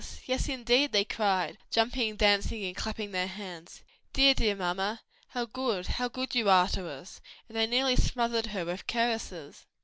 yes indeed!" they cried, jumping, dancing and clapping their hands, "dear, dear mamma, how good, how good you are to us!" and they nearly smothered her with caresses.